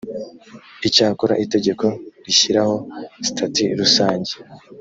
icyakora itegeko rishyiraho sitati rusange